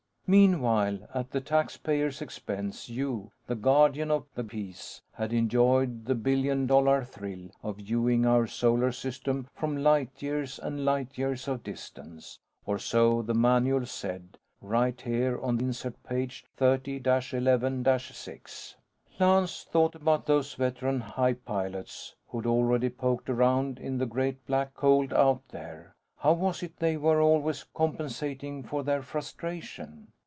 Meanwhile, at the taxpayers' expense, you the guardian of the Peace had enjoyed the billion dollar thrill of viewing our Solar System from light years and light years of distance. Or so the manual said, right here on Insert Page 30 Dash 11 Dash 6. Lance thought about those veteran hype pilots who'd already poked around in the great black Cold out there. How was it they were always compensating for their frustration?